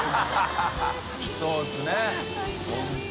そうですね本当。